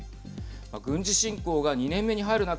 軍事侵攻が２年目に入る中